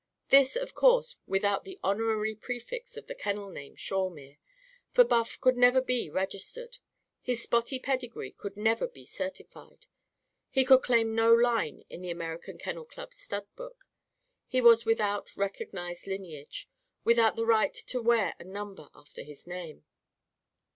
This, of course, without the honorary prefix of the kennel name, "Shawemere." For Buff could never be registered. His spotty pedigree could never be certified. He could claim no line in the American Kennel Club's Studbook. He was without recognised lineage; without the right to wear a number after his name.